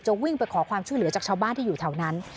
วิ่งไปขอความช่วยเหลือจากชาวบ้านที่อยู่แถวนั้น